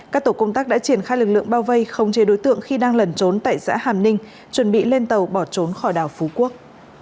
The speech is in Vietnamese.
các tổ công tác đã triển khai lực lượng bao vây không chế đối tượng khi đang lẩn trốn tại xã hàm ninh chuẩn bị lên tàu bỏ trốn khỏi đảo phú quốc